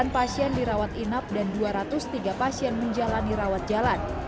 sembilan pasien dirawat inap dan dua ratus tiga pasien menjalani rawat jalan